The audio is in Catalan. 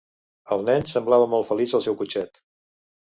El nen semblava molt feliç al seu cotxet